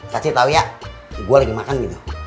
kasih tau ya gue lagi makan gitu